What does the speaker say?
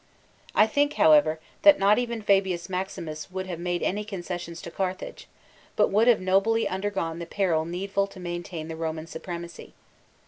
I think, however, that not even Fabius Maximus would have made any concessions to Carthage, but would have nobly undergone the peril needful to maintain the Roman supremacy.